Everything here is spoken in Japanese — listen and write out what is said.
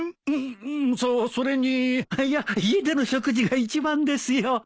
うっそっそれにいや家での食事が一番ですよ。